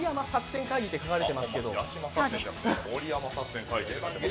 「盛山作戦会議」と書かれてますけど。